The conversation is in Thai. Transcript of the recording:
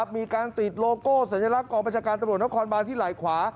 มีการติดโลโก้สัญลักษณ์กองประชาการตำรวจนครบานที่ไหล่ขวา